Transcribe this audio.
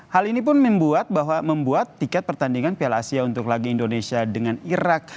hal ini pun membuat bahwa membuat tiket pertandingan piala asia untuk lagu indonesia dengan irak